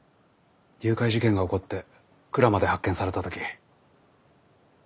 誘拐事件が起こって鞍馬で発見された時。